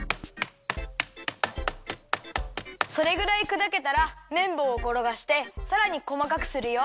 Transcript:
それぐらいくだけたらめんぼうをころがしてさらにこまかくするよ。